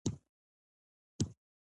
واک د شخصي ګټو لپاره نه دی.